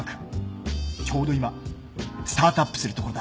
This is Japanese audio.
ちょうど今スタートアップするところだ。